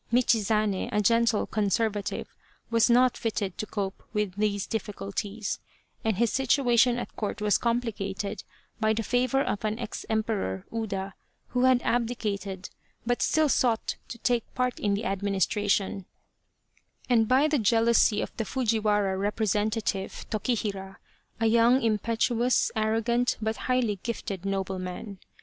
Michizane, a gentle conservative, was not fitted to cope with these difficulties, and his situation at Court was complicated by the favour of an ex Emperor (Uda) who had abdicated but still sought to take part in the administration, and by 219 Loyal, Even Unto Death the jealousy of the Fujiwara representative, Tokihira, a young, impetuous, arrogant, but highly gifted nobleman.